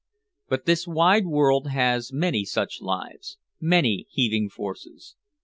But this wide world has many such lives, many heaving forces.